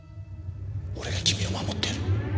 俺が君を守ってやる。